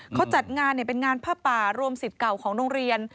เขาจัดงานเป็นงานผ้าป่ารวมสิทธิ์เก่าของโรงเรียน